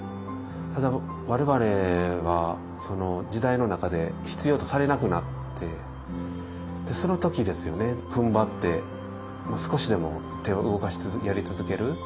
ただ我々は時代の中で必要とされなくなってその時ですよねふんばって少しでも手を動かしつつやり続ける。